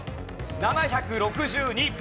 ７６２。